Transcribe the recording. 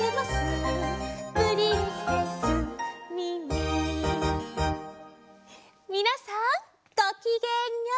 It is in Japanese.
「プリンセスミミィ」みなさんごきげんよう！